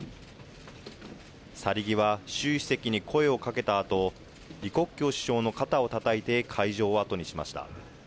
去り際、習主席に声をかけたあと、李克強首相の肩をたたいて会場を後にしました。